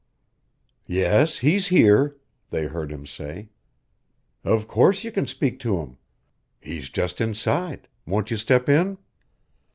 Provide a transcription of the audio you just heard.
"Yes, he's here," they heard him say. "Of course you can speak to him. He's just inside. Won't you step in?"